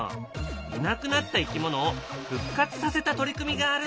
いなくなった生き物を復活させた取り組みがあるんだ。